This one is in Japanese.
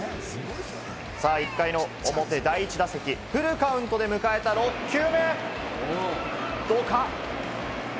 １回の表第１打席、フルカウントで迎えた６球目。